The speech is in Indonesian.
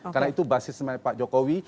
karena itu basis pak jokowi